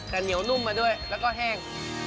แต่เหนียวนุ่มมาด้วยแล้วก็แห้ง